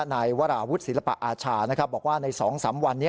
นายวราวุธศิลปะอาชานะครับบอกว่าในสองสามวันนี้